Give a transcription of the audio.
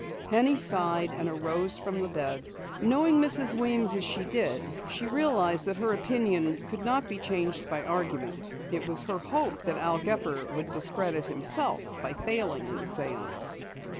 Penny sighed and arose from the bed. Knowing Mrs. Weems as she did, she realized that her opinion could not be changed by argument. It was her hope that Al Gepper would discredit himself by failing in the séance.